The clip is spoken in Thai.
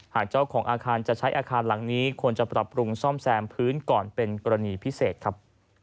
หากเจ้าของอาคารจะใช้อาคารหลังนี้ควรจะปรับปรุงซ่อมแซมพื้นก่อนเป็นกรณีพิเศษครับ